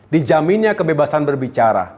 dijaminnya kebebasan berbicara